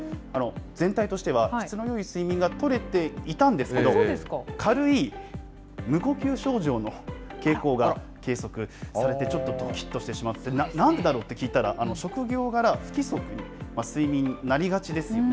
全体としては質のよい睡眠が取れていたんですけど、軽い無呼吸症状の傾向が計測されて、ちょっとどきっとしてしまって、なんだろう？って聞いたら、職業柄、不規則に睡眠、なりがちですよね。